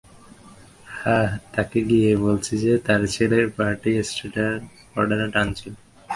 হ্যাঁ, তাকে গিয়ে বলছি যে, তার ছেলের পার্টি স্টার্টার পাউডার টানছিল।